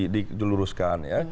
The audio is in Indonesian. di luruskan ya